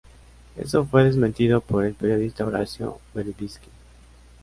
Eso fue desmentido por el periodista Horacio Verbitsky.